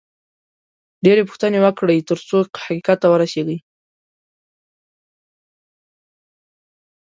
ډېرې پوښتنې وکړئ، ترڅو حقیقت ته ورسېږئ